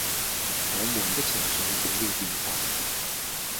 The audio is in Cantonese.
我們的情緒起了變化